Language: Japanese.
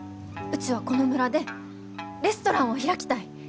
うちはこの村でレストランを開きたい！